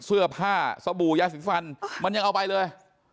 เสื้อผ้าสบู่ยาสีฟันมันยังเอาไปเลย